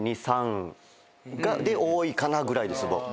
で多いかなぐらいです。